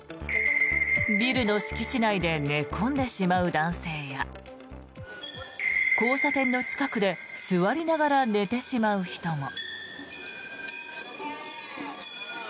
ビルの敷地内で寝込んでしまう男性や交差点の近くで座りながら寝てしまう人も。